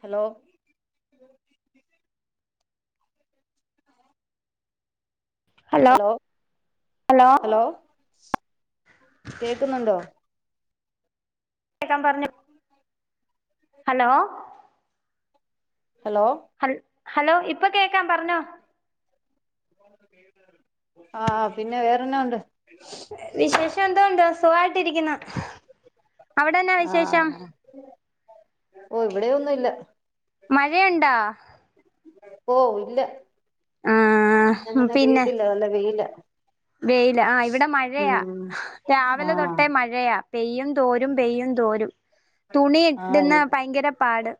Hello hello hello കേക്കുന്നുണ്ടോ? കേക്കാം പറഞ്ഞോ ഹലോ ഹലോ ഹൽ ഹലോ ഇപ്പ കേക്കാം പറഞ്ഞോ ആഹ് പിന്നെ വേറെന്നാ ഒണ്ട് വിശേഷം എന്തോ ഉണ്ട് സുഖായിട്ടിരിക്കുന്ന് അവിടെന്നാ വിശേഷം ആഹ് ഓ ഇവിടെ ഒന്നും ഇല്ല മഴയുണ്ടാ? ഓ ഇല്ല ഇന്നങ്ങനെ പെയ്തില്ല നല്ല വെയില വെയില ആഹ് ഇവിടെ മഴയാ ഉം രാവിലെ തൊട്ടേ ആഹ് മഴയാ പെയ്യും തോരും പെയ്യും തോരും തുണി ഇട്ട്ന്ന ആഹ് ഭയങ്കര പാട്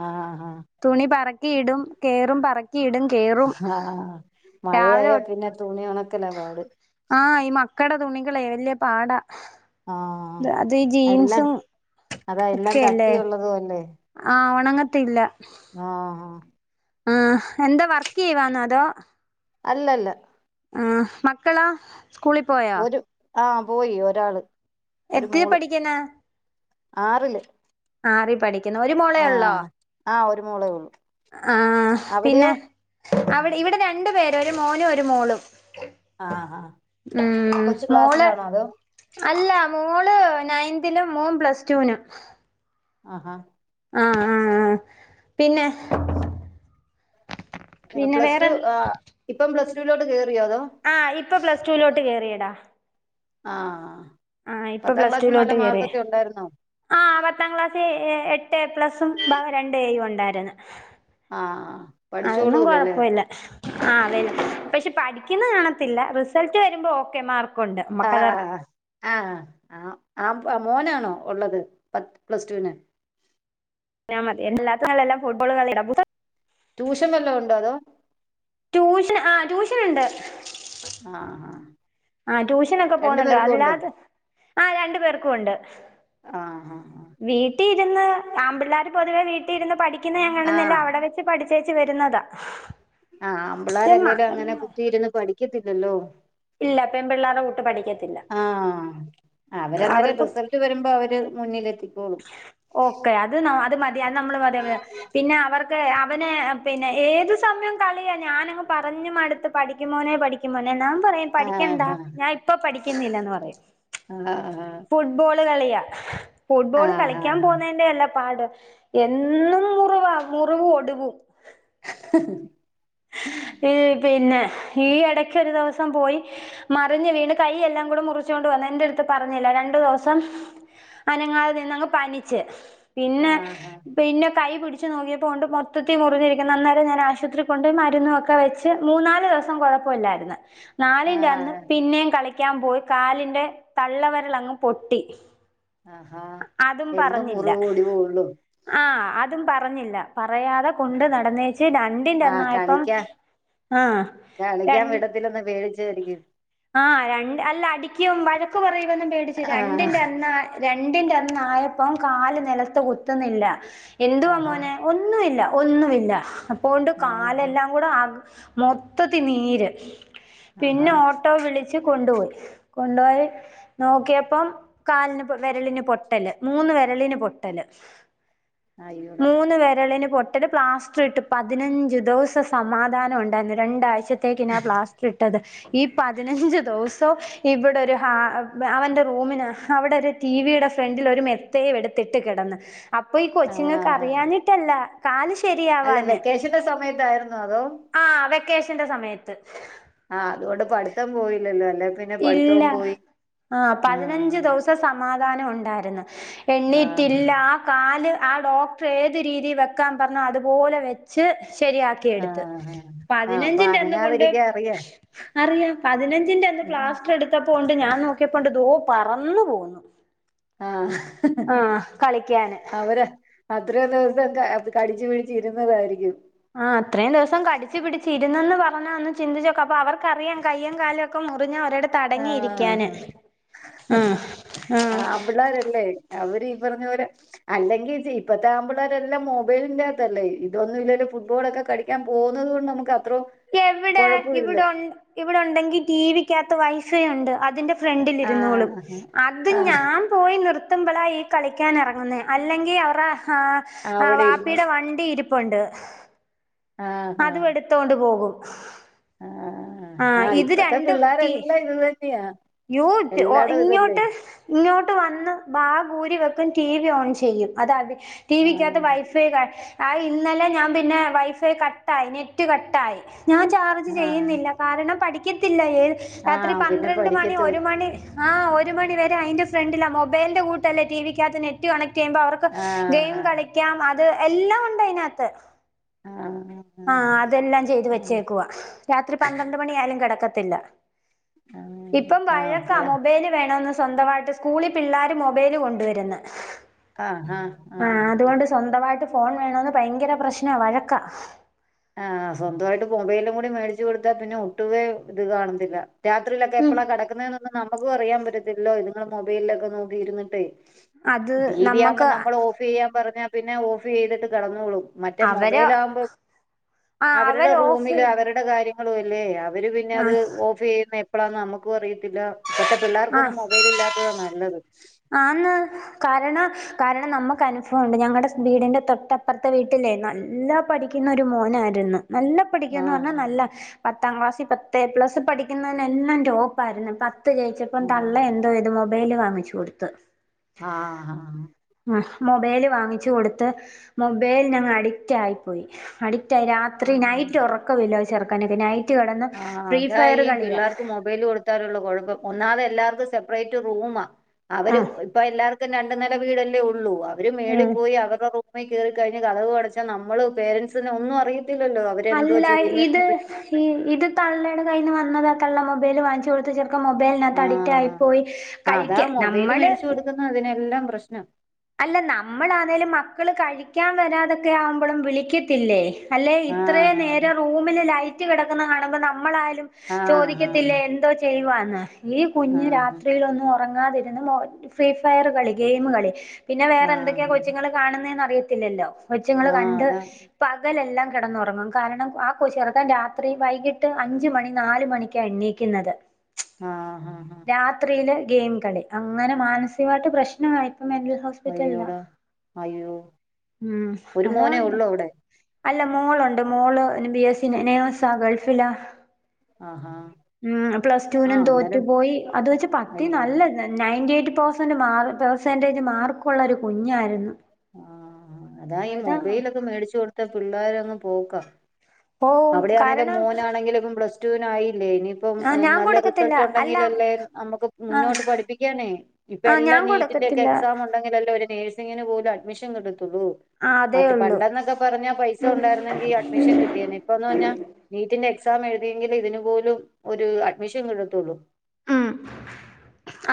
ആഹ് തുണി പറ ക്കി ഇടും കേറും പറ അഹ് ഹ രാവിലെ മഴയായ തൊ പിന്നെ തുണി ഒണക്കല പാട് ആഹ് ഈ മക്കട തുണികളെ വല്യ പാടാ ആഹ് ദ് അതീ എല്ലാം ജീൻസും അതാ എല്ലാം കട്ടിയുള്ളതും അല്ലെ ആഹ് ഒണങ്ങത്തില്ല ആഹ് ആഹ് എന്താ വർക്ക് ചെയ്യ് വാന്നോ അതോ അല്ലല്ല ആ മക്കളാ സ്കൂളിൽ പോയാ? ഒരു ആഹ് പോയി ഒരാള് ഒരു എത്തേ മോള് പഠിക്ക്ന്ന്? ആറില് ആറി പഠിക്ക് ഒരു മോളേ ഉള്ളോ ആഹ് ആഹ് ഒരു മോളേ ഉള്ളൂ ആ അവിടെയോ പിന്നേ അവിടെ ഇവിടെ രണ്ട് പേ ഒരു മോനും ഒരു മോളും ആഹ് ആഹ് മ് കൊച്ചു മോള് ക്ലാസ്സിലാണോ അതോ അല്ല മോള് നയന്തിലും മോൻ പ്ലസ്ടൂനും ആഹാ ആഹ ആഹ ആ പിന്നെ പിന്നെ പ്ലസ് ടു ഇപ്പം പ്ലസ് ടു [inaudible] ആ ഇപ്പൊ പ്ലസടുവിലോട്ട് കേറിയണ്ട് അണ്ട ആഹ ആ ഇപ്പൊ പ്ലസ് ടുവിലോട്ട് കയറി ഉണ്ടായിരുന്നോ ആ പത്താം ക്ലാസ് എട്ട് ഏ പ്ലസും രണ്ട് ഏയും ഉണ്ടായിരുന്നു ആ അതൊന്നും പഠിച്ചോളൂലല്ലേ കൊഴപ്പില്ലാ ആ വ പക്ഷെ പഠിക്കുന്ന കാണത്തില്ല റിസൾട്ട് വരുമ്പോൾ ഓക്കെ മാർക്ക് കൊണ്ട് നമ്മക്ക് ആഹ ആ ആ മോനാണോ ഉള്ളത് പത്ത് പ്ലസ് ടുവിന് ഞാ മതി എല്ലാത്തുംെല്ലാം ഫുട്ബോള ഇട ട്യൂഷൻവല്ലോം ഉണ്ടോ അതോ ട്യൂഷൻ ആ ട്യൂഷനുണ്ട് ആഹ് ആഹ് ആഹ ട്യൂഷനൊക്കെ പോന്നുണ്ടോ അല്ലാതെ ആ രണ്ടു പേർക്കും ഉണ്ട് ആഹ ആഹ് ആഹ് കിട്ടി ഇരുന്ന് ആമ്പിള്ളേർ പൊതുവെ വീട്ട രുന്ന് പഠിക്കുന്ന ഞങ്ങ ആ ആ കാണുന്നല്ല അവിടെ വെച്ച് പഠിച്ച ചേച്ചി വരുന്നതാ ആഹ് അമ്പുളാരല്ലേലും അങ്ങനെ കുത്തി ഇരുന്ന് പഠിക്ക ക്കതില്ലല്ലോ ഇല്ല പെൺപിള്ളേരെ കൂട്ട് പഠിക്കത്തില്ല ആ അവരെന്നാലും റിസൾട്ട് വരുമ്പോ അവര് മുന്നിലെ ക് ഒക്കെ അത് ന്നാ അത് മതി അത് നമ്മള് മതി [unintelligible] പിന്നെ അവർ ദ് അവനെ പിന്നെ ഏത് സമയും കളിയ ഞാനങ്ങ് പറഞ്ഞു മടുത്ത് പഠിക്ക് മോനെ പഠിക്ക് മോൻ - ഞാൻ പറയും ആ പഠിക്കണ്ടാ ആ ഞാൻ ഇപ്പൊ പഠിക്കുന്നില്ലെ ന്ന് പറയും ഫുട്ബോള് കളിയ ആ ആ ഫുട്ബോള് ആ കളിക്കാൻ പോന്നേന്റെ യല്ല പാട് എന്നും മുറിവാ മുറിവും ഒടിവും ഹ് -ഹ് -ഹ് ഈ പിന്നെ ഈ എടക്കൊരു ദിവസം പോയി മറിഞ്ഞ് വീണ് കൈയെല്ലാം കൂടെ മുറിച്ചോണ്ട് വന്ന് എൻറടുത്ത് പറഞ്ഞില്ല രണ്ടു ദിവസം അനങ്ങാതെ നിന്നങ്ങ് പനിച്ച് ആ ആ പിന്നെ ആ പിന്നെ കൈ പിടി ച്ച് നോക്കിയപ്പോണ്ട് മൊത്തത്തി മുറിഞ്ഞിരിക്ന്ന് അന്നേരം ഞാൻ ആശുപത്രി കൊണ്ടോ മരുന്നൊക്കെ വെച്ച് മൂന്നാല് ദിവസം കൊഴപ്പല്ലായിര് ന്ന് നാലിന്റെ അന്ന് ആഹ് പിന്നേം കളി ളി ക്കാൻ പോയി കാലിന്റെ തള്ളവിരല ങ്ങ് പൊട്ടി ആഹാ അതും എന്നും പറഞ്ഞില്ല മുറിവ് ഒടിവുള്ളൂ ആഹ അതും പറഞ്ഞില്ല പറയാതെ കൊണ്ട് നടന്നേച്ച് രണ്ടിന്റെന്ന് ആഹ് പ്പം കളിക്കാ ആ രൺ ച്ചേരിക്കും ആഹ -രൺ അല്ല അടിക്കും വഴക്ക് പറയും പേടിച് ആഹ് രണ്ടിന്റെ അന്ന രണ്ടിന്റെന്നായപ്പം കാല് നെലത്ത് കുത്തുന്നില്ല എന്തുവാ ആഹാ മോനെ ഒന്നുഇല്ല ഒന്നുവില്ല പ്പോണ്ട് ആഹാ കാലെല്ലാം കൂടെ ആ മൊത്തത്തി നീര് ആഹ-ഹ വിളച്ച് കൊണ്ടുപോയി കൊണ്ടോയി നോക്യപ്പം കാലിന് പൊ വെരലിന് പൊട്ട് ല് മൂന്ന് വെരളീന് പൊട്ടല് അയ്യോടാ മൂന്ന് വെരളിന് പൊ ട്ടത് പ്ലാസ് ട്ട് പതിനഞ്ച് ദെവസം സമാധാനം ണ്ടാ രണ്ടാഴ്ച ത്തേക്കിന പ്ലാസ്റ്റർ ഇട്ടത് ഈ- പതിനഞ്ച് ദെവൊ സോ ഇവിടെ ഒരു ഹ അവന്റെ റൂമിന് അവിടെ ഒരു ടിവിയുടെ ഫ്രണ്ടിൽ ഒരു മെത്തയും എടുത്തിട്ട് കെടന്ന് അപ്പൊ ഈ കൊച്ചിങ്ങക്ക് ആഹ് അറിയാനിട്ടല്ല കാലിഷ് അല്ല വെക്കേഷന്റെ സമയത്തായിരുന്നോ അതോ കേഷന്റെ സമയത്ത് ആഹ് അതുകൊണ്ട് പഠിത്തം പോയില്ലല്ലോ അല്ലെ പിന്നെ ഇല്ല പഠിത്തവും പോയി ആ പതിനഞ്ച് ആഹ് ദിവസം സമാധ ധാനം ഉണ്ടാര്ന്ന്- ആഹ് എണ്ണീറ്റില്ല ആ കാല്- ആ ഡോക്ടർ ഏത് രീതിൽ വെക്കാൻ പറഞ്ഞാ അതുപോലെ വെച്ച് ശരിയാക്കിയ എടുത്ത് ആഹ് ആഹ് അപ്പൊ പതിനഞ്ചിന്റെ അന്ന് കൊണ്ട് അനങ്ങാതിരിക്കാൻ അറിയാം അറിയാം പതിനഞ്ചിന്റെ അന്ന് പ്ലാസ്റ്റ്റ്എടുത്ത ണ്ട് ഞാൻ നോക്കിയപ്പോണ്ട് ദോ പറന്നു പോവുന്നു- ആഹ് ആ കളിക്കാന് ഇത്രയും ദിവസക്കെ അത് കടിച്ചു പിടിച്ച് ഇരുന്നതായിരിക്കും വരുന്നെന്ന് പറഞ്ഞന്ന് ചിന്തിച്ചോക്ക അപ്പോ അവർക്കറിയാം കയ്യും കാലുംക്കെ മുറിഞ്ഞ ഒരിടത്ത് അടങ്ങിയിരിക്കാന് ആഹ് ആഹ് ആ ആമ്പിള്ളേരല്ലേ അവര് ഈ പറഞ്ഞ പോല അല്ലെങ്കിൽ ഇപ്പത്തെ ആമ്പിള്ളേരെല്ലാം മൊബൈലിന്റെറകത്തല്ലേ ഇതൊന്നും ഇല്ലോ ഫുട്ബോളൊക്കെ കളിക്കാൻ പോകുന്നുന്നത് കൊണ്ട് നമുക്ക്അ എവിടെ ഇവിടെ ഇവിടൊണ്ടെങ്കി ടിവി ക്കാത്ത് വൈഫൈ ഉണ്ട് അതിന്റെ- ഫ്രണ്ടിലിരുന്നോളും ആഹ് അത് ആഹ് ഞാൻ പോയി നിർ ത്തുമ്പോളാ ഈ കളിക്കാൻ എറങ്ങുന്നേഅല്ലെങ്കിൽ അവറാ ആ അവിടെ ഇരുന്നു വാപ്പിയുടെ വണ്ടി ഇരിപ്പൊണ്ട് ആഹ് അതും ആഹ് എടുത്തോണ്ട് പോകും ഉ [unintelligible] ആഹ് ആ ആഹ് ഇപ്പത്തെ പിള്ളേരെല്ലാം ഇത് തന്നെയാ യൂ എല്ലായിടവും ഇതല്ലേ ഇങ്ങോട്ട് ഇങ്ങോട്ട് വന്ന് ബാഗ്ഊരി വെക്കും ടി വി ഓൺ ചെയ്യും അതതി ടീ വിക്കാത്ത് ആഹ് വൈഫൈക ആ ഇന്നലെ ഞാൻ പിന്നെ വൈഫൈ കട്ടായി നെറ്റ് കട്ടായി. ഞാൻ ചാർജ് ആഹ് ചെയ്യുന്നില്ല കാരണം പഠി ഇക്കത്തില്ല ഏ രാത്രി ആഹ് പിന്നെ പന്ത്ര രണ്ട് മണി ഒരു പഠിക്കത്തൂല്ല മണി ആഹ് ഒരു മണിവരെ അയിന്റെ ഫ്രണ്ടിലാ മൊബൈലിന്റെ കൂട്ടല്ല ടി വിക്കാത്ത് നെറ്റ് കണക്ട് [unintelligible] അവർക്ക് ഗെയിം ആഹ് കളിക്കാം അ അത് എല്ലാം ഉണ്ട് അതിനകത്ത് ആഹ് അതെല്ലാം ചെയ്ത് ആഹ് വെച്ചേക്കുവ രാത്രി പന്ത്രണ്ട് മണിയായാലും കിടക്ക പത്തില്ല ഇപ്പം ആഹ് വഴക്കാ ആഹ് മൊബൈല് വേണന്ന് സ്വന്തമായിട്ട് സ്കൂളി പിളളാര് മൊബൈല് കൊണ്ടുവരുന്ന, ആഹ് ആഹ് ആ ആഹ് അതുകൊണ്ട് സ്വന്തമായിട്ട് ഫോൺ വേണോന്ന് ഭയങ്കര പ്രശ്നവ വഴക്കാ ആഹ് സ്വന്തമായിട്ട് മൊബൈലും കൂടി മേടിച്ചു കൊടുത്താ പിന്നെ ഒട്ടുവേ ഇത് കാണത്തില്ല രാത്രിയിലൊക്കെ ഉം എപ്പളാ [unintelligible] നമുക്കും അറയാൻ പറ്റത്തില്ലോ ഇത്ങ്ങൾ മൊബൈലിലൊക്കെ നോക്കിയിരുന്നിട്ടേ അത് ടി വി ആവുമ്പോ നമ്മക്ക് നമ്മള് ഓഫ് ചെയ്യാൻ പറഞ്ഞാ പിന്നെ ഓഫ് ചെയ്തിട്ട് കെടന്നോളും മറ്റേ അവര് മൊബൈൽ ആവുമ്പൊ ആ അവരുടെ അവര് ഓഫ് റൂമില് അവരുടെ ക കാര്യങ്ങളും അല്ലേ അവര് പിന്നെ ആ അത് ഓഫ് ചെയ്യുന്നെ [unintelligible] നമുക്കു അറിയത്തില്ല ഇപ്പത്തെ ആ പിളളാർക്കൊന്നും മൊബൈൽ ഇല്ലാത്തതാ നല്ലത് ആന്ന് കാരണം കാരണം നമ്മക്ക് അനുഭവം ഇണ്ട് ഞങ്ങടെ വീടിന്റെ തൊട്ടപ്പുറത്തെ വീട്ടിലേ നല്ല പഠിക്കുന്ന ഒരു മോനായിരുന്നു നല്ല പിഠിക്കന്ന് പറഞ്ഞാ ആഹ് നല്ല [inaudible] പത്താം ക്ലാസിൽ പത്ത് എ പ്ലസ് പഠിക്കുന്നതിനെല്ലാം ടോപ്പായിരുന്നു ഇപ്പ ത്ത് ജയിച്ചപ്പം ആഹ് തള്ള എന്തോയ്ത് മൊബൈല് വാ മ്മച്ചി കൊടുത്ത് ത്ത് ആഹ് ആഹ് മൊബൈല് വാങ്ങിച്ച് കൊടുത്ത് മൊബൈലനങ്‌ അഡിക്റ്റ് ആയിപ്പോയി അഡിക് രാത്രി നൈറ്റ് ഉറക്കമില്ല ചേറക്കാന ഇതിനായി ആ അത ഈ പിള്ളേർക്ക് മൊബൈല് കൊടുത്താാലുള്ള കുഴപ്പം ഒന്നാതെ എല്ലാവർക്കും സെപ്പറേറ്റ് റൂമാ അവര് ആഹ് ഇപ്പൊ എല്ലാർ രണ്ട് നില വീടല്ലേ ഉള്ളൂ അവര് മേളിൽ ആഹ് പോയി അവര്ട മ്മയി കയറി കഴിഞ്ഞ് കതവും അടച്ചാ നമ്മള് പേരൻറ്സ്ന് ഒന്നും അറിയ അല്ല ഇത് ഇത് തള്ളയുടെ കയിൽന്ന് വന്നതാ തള്ള മൊബൈല് വാങ്ങിച്ച് കൊടുത്ത് ചെറുക് മൊബൈലിനകത്ത് അഡിക്റ്റ് ആയി ആഹ് പോയി അതാ കഴിക്ക മൊബൈല് നമ്മള് മേടിച്ചു കൊടുക്കുന്ന അതിനെല്ലാം പ്രശ്നം അല്ല നമ്മളാന്നേലും മക്കള് കഴി ക്കാൻ വരാതൊക്കെ ആവുമ്പോഴും വിളിക്കത്തില്ലേ അല്ലേ ഇത്രേം ആഹ് നേരം റൂമില് ലൈറ്റ് റ്റ് കിടക്കുന്ന കാണുമ്പോ നമ്മളായ ആഹ് ചോദിക്കത്തില്ലേ എന്തോ ചെയ്യുവാന്ന് ന്ന് ഈ കുഞ്ഞ് ആഹ് രാത്രിയിൽ ഒന്ന് ഒ ഉറങ്ങാതിരുന്ന ഫ്രീ ഫയറുകളി ഗെയിമ് കളി പിന്നെ വേറെ ആഹ് എന്തൊക്കെയാ ആഹ് കൊച്ചിൾ കാണുന്നെ അറി തിന്നെല്ലെ കൊച്ചങ്ങള് ആഹ് ആഹ് കണ്ട് അതാ പകലെല്ലാം കിടന്നുറങ്ങും കാരണം ആ കൊ ചെറുക്കാൻ രാത്രി വൈകിട്ട് അഞ്ച് മണി നാല് മണിക്കാ എണ്ണീക്കുന്നത് ആഹ് ഹാ ഹാ രാത്രിയില് ഗെയിം കളി അങ്ങനെ മാനസികമായിട്ട് പ്രശ്നം ആയപ്പം മെന്റൽ ഹോസ് അയ്യോട അയ്യോ ഉം ഒരു അതാ മോനേ ഒള്ളൂ അവിടെ അല്ല മോളുണ്ട് മോള് ബി എസി നെ നെയ്സാ ഗൾഫിലാ ആഹാ ഉം പ്ലസ്ടുനും ആഹ് തോറ്റു അന്നേരം പോയി അത് വെച്ച് പത്തിൽ അയ്യോ നല്ല നയന്റീറ്റു പെസന്റ് മാർ പെർസെന്റേജ് മാർക ഉള്ളൊരു കുഞ്ഞായിരുന്നു ആ അതാ ഈ മൊബൈലൊക്കെ മേടിച്ചു കൊടുത്ത പിള്ളേരങ് പോക പോവും അവിടെയാണെലും കാരണം മോനാണെങ്കിലും പ്ലസ് റ്റൂനായി ല്ലേ ഇനിയിപ്പം ആ ഞാൻ നല്ല കൊടുക്കത്തില്ല റിസൾട്ട് അല്ല ഉണ്ടെങ്കിലല്ലേ നമുക്ക് ആ മുന്നോട്ട് പഠിപ്പിക്കാനേ ഇപ്പ ആ ഞാൻ എല്ലാം നീറ്റിന്റെക്കെ കൊടുക്കത്തില്ല എക്സാം ഉണ്ടെങ്കിലല്ലേ ഒരു നഴ് സിംഗിന് പോലും അഡ്മിഷൻ കിട്ടത്തൊള്ളൂ ഉം ആ അതേ മറ്റ ഉള്ളൂ പണ്ടെന്നൊക്കെ പറഞ്ഞാൽ പൈസ ഉണ്ടായിരുന്നെങ്കിൽ അഡ്മിഷൻ കിട്ടിയെനെ റഞ്ഞ നീറ്റ് ഇതിന്റെ എക്സാം എഴുതിയെങ്കിലെ ഇതിനുപോലും ഒരു അഡ്മിഷൻ കിട്ടത്തൊള്ളൂ ഉം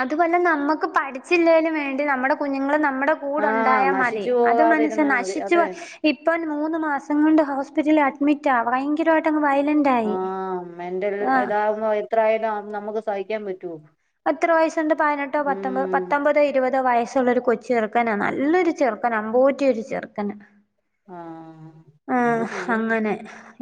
അതു വല്ല നമ്മക്ക് പഠിച്ചില്ലേലും വേണ്ടില്ല നമ്മുടെ കുഞ്ഞുങ്ങള് നമ്മുടെ കൂടെ ആഹ് ഉണ്ടായ മതി നശിച്ചു അത് മനസ് പോകാതിരുന്നാ മതി നശിച്ചു അതെ ഇപ്പ മൂന്ന് മാസം കൊണ്ട് ഹോസ് പിറ്റിൽ അഡ്മിറ്റാ ഭയങ്കരമായിട്ടങ്ങ് വയ്യാ ആഹ് അമ്മന്റെ ഒരു ഇതാവ്മ്പോ എത്രായാലും നമുക്ക് സഹിക്കാൻ പറ്റോ എത്ര വയസ്ണ്ട് പതിനെട്ടോ പത്തൊമ്പ പത്തൊമ്പതോ ഇരുപതോ വയസ് ള്ളൊരു കൊച്ച് ചെറുക്കനാ നല്ലൊരു ചെറുക്കൻ അമ്പോറ്റിയ ഒരു ചെറുക്കൻ ആഹ് എന്ത് ആഹ് ചെയ്യാനാ അങ്ങനെ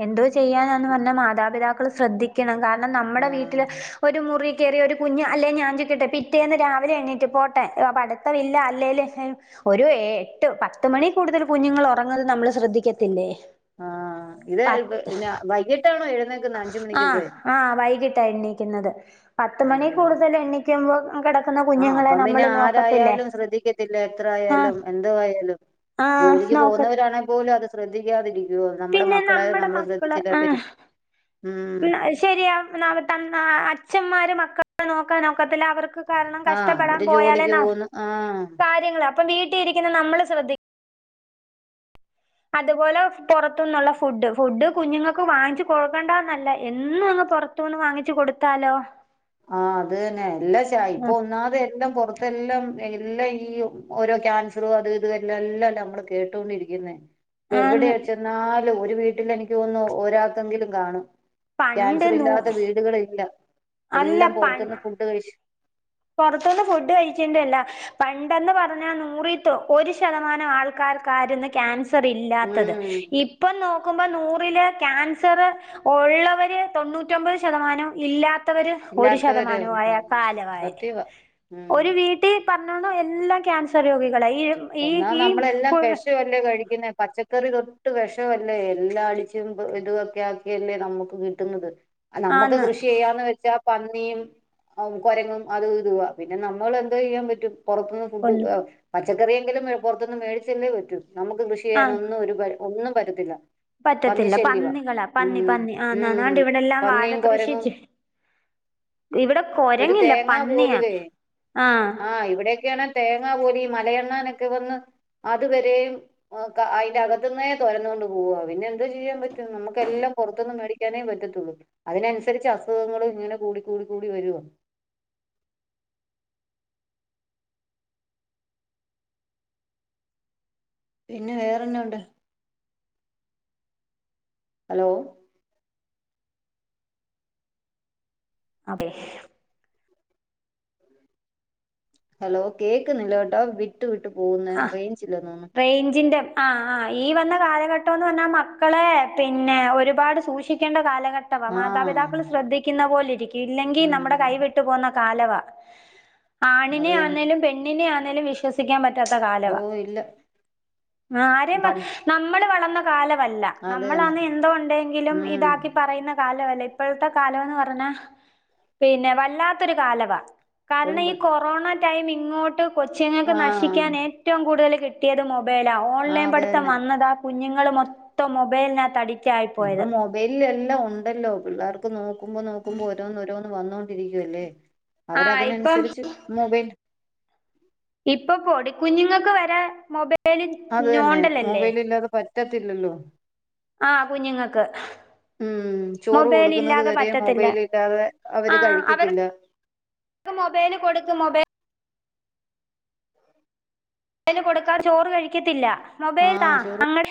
എന്ത് ചെയ്യാനാന്ന് പർഞ്ഞ മാതാപിതാക്കള് ശ്രദ്ധിക്കണം കാ ണം. നമ്മുടെ വീട്ടിലെ ആഹ് ഒരു മുറി കേറിയ ഒരു കുഞ് അല്ലെ ഞാൻ ചോയ്ക്കട്ടെ പിറ്റേന്ന് രാവിലെ എണ്ണീറ്റ് പോട്ടെ അപ അടുത്തവില്ല അല്ലേല് എഹ് ഒരു ഏട്ട് പത്ത് മണി കൂടുതൽ കുഞ്ഞുങ്ങൾ ഒറങ്ങല് നമ്മള് ശ്രദ്ധിക്ക പിന്നേഹ് ആഹ് ഇത് പത് പിന്നെ വൈകിട്ടാണോ എഴുന്നേക്കുന്നത് അഞ്ച് ആഹ് മണിക്കൊക്കെ ആഹ് വൈകിട്ടാ എണ്ണിക്കുന്നത്. പത്തുമണി അയ്യോടാ കൂടുതൽ എണ്ണിക്കുമ്പോ ഓൻ കെട ആഹ് അപ്പം പിന്നെ ആരായാലും ശ്രദ്ധിക്കത്തില്ല. എത്ര ആഹ് ആയാലും എന്തോ ആയാലും ആഹ് ജോലിക്ക് നോക്ക പോഉന്നവരാണെ പോലും അത് ശ്രദ്ധി ക്ക്യാദെരി രു നമ്മടെ പിന്നെ മക്കളെ നമ്മള് ശ്രദ്ധിച്ചില്ല പിന്നെ ഉം പ്ന്നെ അഹ് ശരിയാക്ണെ [unintelligible] അച്ഛന്മാ ര് മക്കളെ നോകാൻ നോക്കത്തില്ല അവർക്ക് കാരണം ആഹ് കഷ്ടപ്പെടാൻ അവര് ജോലിക്ക് പോയാലേന്നോ പോകുന്നു ആഹ് കാര്യങ്ങളാ പ്പോം വീട്ടീയിരിക്കുന്ന നമ്മള് ശ്രദ്ധി അതുപോലെ പുറത്തുന്നുള്ള ഫുഡ് ഫുഡ് കുഞ്ഞുങ്ങക്ക് വാങ്ച് കൊടുക്കണ്ടന്നല്ല എന്നും അങ്ങ് പൊറത്തുന്ന് വാങ്ങിച് കൊടുത്താലോ ആഹ് അത് ന്നെ എല്ലാ ഷാ ഇപ്പൊ ഒന്നാതെ എല്ലാം പൊറ അതെല്ലാം ഏഹ് എല്ലാ ഈ ഓ ഓരോ ക്യാൻസറോ അത് ഇത് എല്ലാ എല്ലാം നമ്മള് കേട്ട്കൊണ്ടിരിക്ക്ന്നെ ഇപ്പ ആന്ന് എവിടെയെച്ചെന്നാ അല്ല ഒരു വീട്ടില് എനിക്ക് തോന്ന്ന്നു ഒരാക്കെങ്കിലും കാണും പണ്ട് ക്യാൻസർ നൂ ഇല്ലാത്ത വീടുകള് ഇല്ലാ എല്ലാം പൊറത്ത്ന്ന് ഫുഡ് കഴിച്ച് പൊറത്ത്ന്ന് ഫുഡ് കഴിക്കേന്റയെല്ല. പണ്ടെന്ന് പറഞ്ഞാൽ നൂറിതൊ ഒരു ശതമാനം ആൾക്കാര് കരുന്നെ ക്യാൻ സർ ഇല്ലാത്തത് ഉം ഇപ്പ നോ ക്കുമ്പോ നൂറില് ക്യാൻസർ ഒള്ളവര് തൊണ്ണൂറ്റൊമ്പത് ശതമാനം ഇല്ലാ ത്തവര് ഒരു ശതമാനവായ കാലവാഴി ക്കുവാ ഉം പറ്ഞ്ഞോണം എല്ലാം ക്യാൻസർ രോഗി ഒന്നാമെ നമ്മളെല്ലാം വെഷവല്ലേ കഴിക്കുന്നെ പച്ചക്കറി തൊട്ട് വെഷവല്ലേ എല്ലാ അടിച്ചും പ് ഇത് തൊക്കെ ആക്കിയല്ലേ നമ്മക്കും കിട്ടുന്നത് ആഹ് നമ്മക്ക് ആന്ന് കൃഷി ചെയ്യാന്ന് വെച്ചാ പന്നിയും അവു കൊരങ്ങും അതും ഇതുവാ പിന്നെ നമ്മള് എന്തോ ചെയ്യാൻ പറ്റും പൊറത്ത്ന്ന് ഫുഡ് ഒന്ന് ആഹ് പ എറിയെങ്കിലും പൊർത്ത്ന്ന് മേടിച്ചല്ലേ പറ്റു നമുക്ക് കൃഷി ആ ചെയ്യാനൊന്നും ഒരു പരം ഒന്നും പറ്റത്തില്ലാ പറ്റത്തില്ല പന്നികളാ പന്നി പന്നി ഉം ആന്നാന്നാണ്ട് ഇവ്ടെല്ലാം വാഴ പന്നിയും കൃഷി കുരങ്ങും ചെ ഇവിടെ ഒരു കൊരങ്ങില്ല തേങ്ങ പന്നിയാ പോലുവേ ആഹ് പൂതി മലയെ ണാനൊക്കെ വന്ന് അതുവരെയും അ ക അയ്ന്റെ അകത്ത്ന്നേ തൊരന്നാേണ്ട് പോവാ പിന്നെ എന്താേ ചെയ്യാം പറ്റും നമുക്കെല്ലം പൊർത്ത്ന്ന് മേടിക്കാനേ പറ്റത്തൊള്ളൂ അതിനൻസരിച്ച് അസുഖങ്ങള് ഇങ്ങനെ കൂടി കൂടി കൂടി വരുവാ പിന്നെ വേറെന്നാ ഉണ്ട് ഹലോ ആകെ ഹലോ കേക്ക്ന്നില്ലേ കെട്ടോ വിട്ട് വിട്ട് പോവുന്നേ റെയ്ഞ്ചില്ലന്ന് താേന്ന്ണ് ആഹ് ആഹ് ഈ വന്ന കാലഘട്ടാെന്ന് പർഞ്ഞാ മക്കളെ പിന്നെ ഒരുപാട് സൂക്ഷിക്കേണ്ട കാല ഘട്ടവാ ആഹ് മാതാപിതാക്കള് ശ്രദ്ധിക്ക്ന്ന പോലെ ഇല്ലെങ്കി നമ്മ്ടെ ഉം കൈവിട്ട് പോവ്ന്ന കാലവാ ആണിനെ അത് തന്നെ ആന്നേലും പെണ്ണിനെ ആ ണേലും വിശ്വസിക്കാം പറ്റാ ത്ത ഓ കാലവാ ഇല്ല ആരേം പ പണ്ട് നമ്മള് വള കാല [unintelligible] വല്ല അത് തന്നെ നമ്മളാന്നേ എന്തോ ഒണ്ടേങ്കിലും ഉം ഇതാക്കി പറയുന്ന കാല ലവല്ല ഇപ്പോഴത്തെ കാലവെന്ന് പറഞ്ഞാ പിന്നെ വല്ലാത്തൊരു കാലവാ കാരണം ഈ പെമ്പിൾ കൊറോണ ടൈം ഇങ്ങോട്ട് കൊച്ചുങ്ങക്ക് നശി ആഹ് ക്കാൻ ഏറ്റവും കൂടുതല് കി ട്ടിയത് മൊ ബേലാ ആഹ് ഓൺലൈൻ അത് പടുത്തം തന്നെ വന്നതാ കു കുഞ്ഞുങ്ങള് മൊത്തം മൊബൈലിനാത്തടി ഇപ്പം മൊബൈലിലെല്ലാം ഒണ്ടല്ലോ പിള്ളാർക്ക് നോക്കുമ്പോ നോക്കുമ്പോ ഒരോന്നൊരോന്ന് വന്നോണ്ടിരിക്കുവല്ലേ ആ ഇപ്പം അവരതിനനുസരിച്ച് മൊബൈൽ ഇപ്പ പൊടി കുഞ്ഞുങ്ങൾക്ക് വരെ മൊബൈ ബേലിൽ ഞോണ്ടലല്ലേ റ്റത്തില്ലല്ലോ ആ കുഞ്ഞുങ്ങൾക്ക് ഉം ചോറ് മൊബൈൽ കൊടുക്കുന്നത് ഇല്ലാതെ വരെ പറ്റത്തില്ല മൊബൈൽ ഇല്ലാതെ ആ അവര് കഴിക്കത്തില്ല അവർ--ക്ക് മൊബേല് കൊടുക്ക് മൊബേൽ ല് കൊടുക്കാ ചോറ് കഴിക്കത്തില്ല ആ മൊബേലാ ചോറ് അങ്ങട്